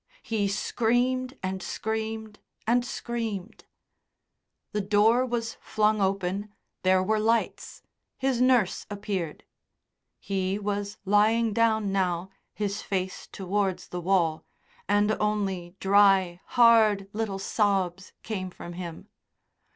He screamed and screamed and screamed. The door was flung open, there were lights, his nurse appeared. He was lying down now, his face towards the wall, and only dry, hard little sobs came from him.